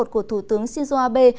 của thủ tướng shinzo abe